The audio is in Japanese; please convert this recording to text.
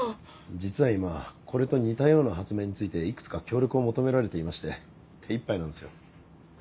実は今これと似たような発明についていくつか協力を求められていまして手いっぱいなんですよ。